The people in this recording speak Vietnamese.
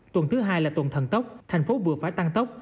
tuần thứ hai là tuần thần tốc thành phố vừa phải tăng tốc